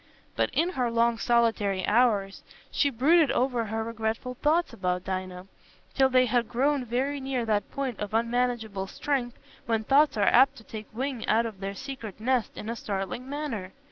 But in her long solitary hours she brooded over her regretful thoughts about Dinah, till they had grown very near that point of unmanageable strength when thoughts are apt to take wing out of their secret nest in a startling manner.